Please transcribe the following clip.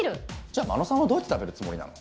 じゃあ真野さんはどうやって食べるつもりなの？